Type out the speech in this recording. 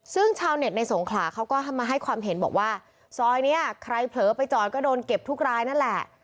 ซึ่งชาวเน็ตในสงขลาเขาก็มาให้ความเห็นบอกว่าซอยนี้ใครเผลอไปจอดก็โดนเก็บทุกรายนั่นแหละ